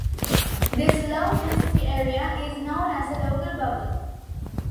This low-density area is known as the Local Bubble.